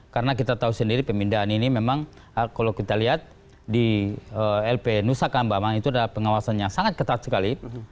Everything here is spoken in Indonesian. karena kita tahu sendiri pemindahan ini memang kalau kita lihat di lp nusa kambang itu adalah pengawasannya sangat ketat sekali